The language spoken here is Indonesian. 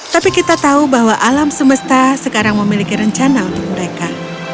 tapi kita tahu bahwa alam semesta sekarang memiliki rencana untuk mereka